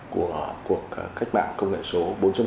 của cuộc cách mạng công nghệ số bốn